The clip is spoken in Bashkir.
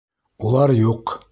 Улар юҡ!